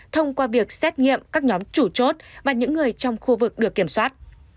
thông qua việc xét nghiệm các nhóm chủ chốt và những người trong khu vực được kiểm soát